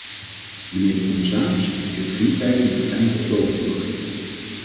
Mijnheer de commissaris, u hebt geen tijd om tot eind oktober te wachten.